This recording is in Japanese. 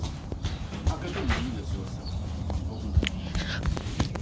開けてもいいですよっつったらお前、どうすんの？